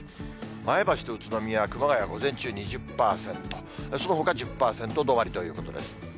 前橋と宇都宮、熊谷、午前中２０％、そのほか１０％止まりということです。